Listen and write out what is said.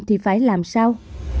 thì phải làm sao